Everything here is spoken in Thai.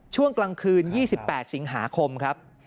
ช่วงกลางคืน๒๘สิงหาคมครับ